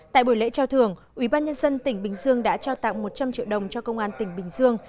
tại buổi lễ trao thưởng ubnd tỉnh bình dương đã trao tặng một trăm linh triệu đồng cho công an tỉnh bình dương